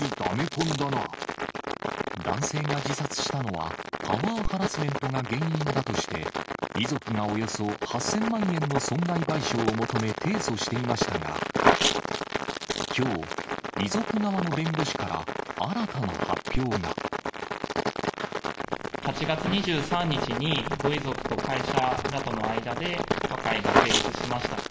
男性が自殺したのは、パワーハラスメントが原因だとして、遺族がおよそ８０００万円の損害賠償を求め、提訴していましたが、きょう、遺族側の弁護士から、８月２３日に、ご遺族と会社などの間で和解が成立しました。